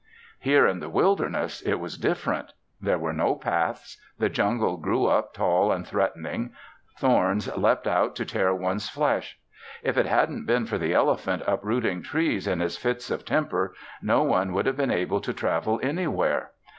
Here in the wilderness it was different. There were no paths. The jungle grew up tall and threatening. Thorns leant out to tear one's flesh. If it hadn't been for the elephant uprooting trees in his fits of temper, no one would have been able to travel anywhere.